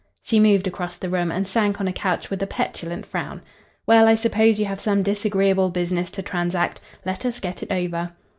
She moved across the room, and sank on a couch with a petulant frown. "Well, I suppose you have some disagreeable business to transact. Let us get it over."